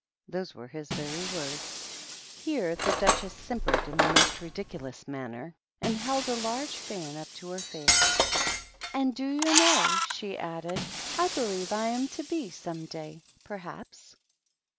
Those were his very words." Here the Duchess simpered in the most ridiculous THE RED QUEEN AND THE DUCHESS. 129 manner, and held a large fan up to her face. " And do you know," she added, " I believe I am to be some day, perhaps."